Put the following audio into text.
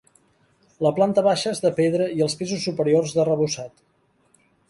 La planta baixa és de pedra i els pisos superiors d'arrebossat.